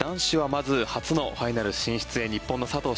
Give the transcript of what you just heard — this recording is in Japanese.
まず初のファイナル進出へ日本の佐藤駿